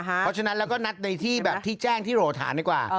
เพราะฉะนั้นเราก็นัดในที่แบบที่แจ้งที่โหลฐานดีกว่า